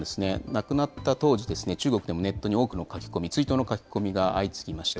亡くなった当時、中国でもネットに多くの書き込み、追悼の書き込み、相次ぎました。